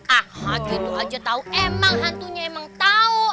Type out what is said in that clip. aha gitu aja tau emang hantunya emang tau